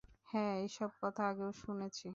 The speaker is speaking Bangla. হ্যাঁ, এসব কথা আগেও শুনেছি।